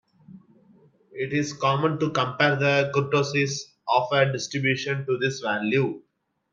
It is common to compare the kurtosis of a distribution to this value.